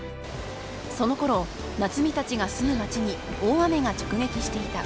［そのころ夏海たちが住む街に大雨が直撃していた］